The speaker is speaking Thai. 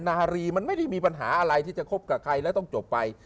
นารีมันไม่ได้มีปัญหาอะไรที่จะคบกับใครแล้วต้องจบไป